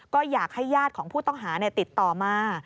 ก็อยากให้ญาติของผู้ต้องหาติดต่อมา